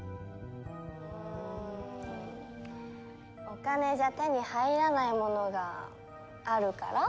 お金じゃ手に入らないものがあるから？